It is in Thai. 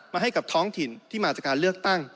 ให้กับท้องถิ่นที่มาจากการเลือกตั้ง